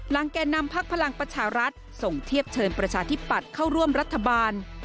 แก่นำพักพลังประชารัฐส่งเทียบเชิญประชาธิปัตย์เข้าร่วมรัฐบาล